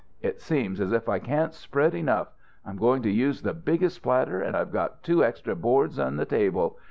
"It seems as if I can't spread enough. I'm going to use the biggest platter, and I've got two extra boards in the table.